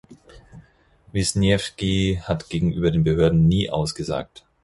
Wisniewski hat gegenüber den Behörden nie ausgesagt.